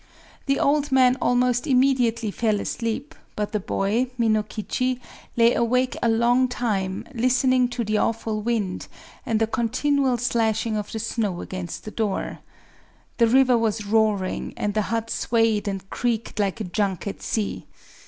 The old man almost immediately fell asleep; but the boy, Minokichi, lay awake a long time, listening to the awful wind, and the continual slashing of the snow against the door. The river was roaring; and the hut swayed and creaked like a junk at sea.